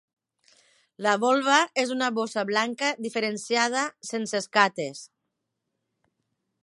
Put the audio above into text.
La volva és una bossa blanca diferenciada, sense escates.